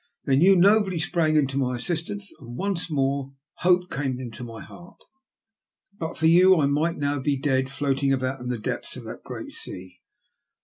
Then you nobly sprang in to my assistance, and once more hope came into my heart. But for you I might now be dead, floating about in the depths of that great sea.